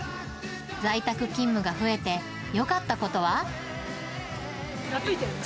在宅勤務が増えて、よかったことは？